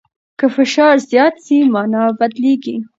که فشار زیات سي، مانا بدلیږي.